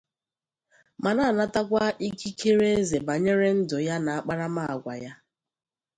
ma na-atakwa ikikere eze banyere ndụ ya na akparamagwa ya